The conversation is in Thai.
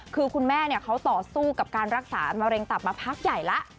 คือคุณแม่เขาต่อสู้กับการรักษามะเร็งตับมาพักใหญ่แล้ว